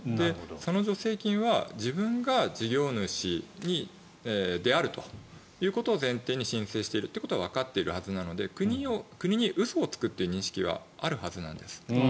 その助成金は、自分が事業主であるということを前提に申請していることはわかっているはずなので国に嘘をつくという認識はあるはずなんです。